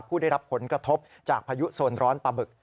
ผู้ได้รับผลกระทบจากพายุโซนร้อนปลาบึก